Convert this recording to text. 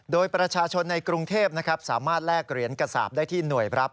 โดยประชาชนในกรุงเทพสามารถแลกเหรียญกระสาปได้ที่หน่วยรับ